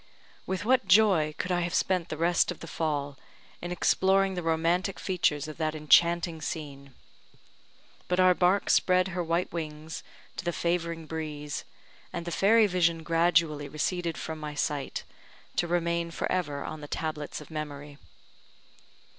With what joy could I have spent the rest of the fall in exploring the romantic features of that enchanting scene! But our bark spread her white wings to the favouring breeze, and the fairy vision gradually receded from my sight, to remain for ever on the tablets of memory.